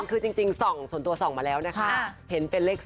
คือจริงส่องส่วนตัวส่องมาแล้วนะคะเห็นเป็นเลข๒